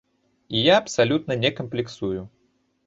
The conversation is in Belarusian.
І я абсалютна не камплексую.